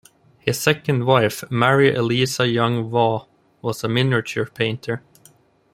His second wife, Mary Eliza Young Waugh, was a miniature painter.